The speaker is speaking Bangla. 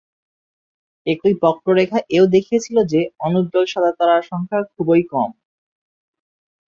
একই বক্ররেখা এও দেখিয়েছিল যে, অনুজ্জ্বল সাদা তারার সংখ্যা খুবই কম।